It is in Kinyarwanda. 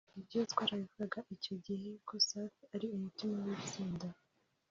Ibyo twarabivugaga icyo gihe ko Safi ari umutima w’itsinda